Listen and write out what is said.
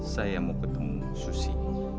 saya mau ketemu susi